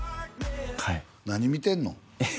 はい何見てんの？